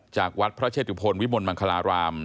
จากวัดพระเชตุพลวิมลมังคลาราม